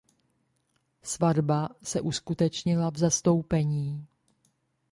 Svatba se uskutečnila v zastoupení.